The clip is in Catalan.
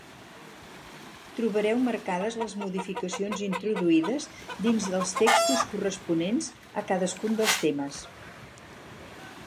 Trobareu marcades les modificacions introduïdes dins dels textos corresponents a cadascun dels temes.